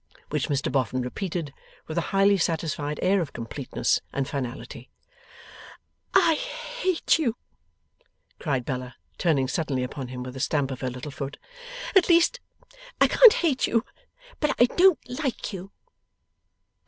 Which Mr Boffin repeated with a highly satisfied air of completeness and finality. 'I hate you!' cried Bella, turning suddenly upon him, with a stamp of her little foot 'at least, I can't hate you, but I don't like you!